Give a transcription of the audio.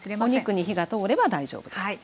お肉に火が通れば大丈夫です。